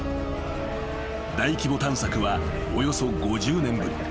［大規模探索はおよそ５０年ぶり］